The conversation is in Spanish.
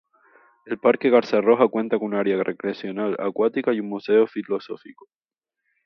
El Parque Garza Roja cuenta con un área recreacional acuática, y un museo filosófico.